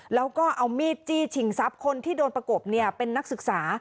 แล้วก็เอามีดจี้ชิงทรัพย์คนที่โดนประกบเนี่ยเป็นนักศึกษา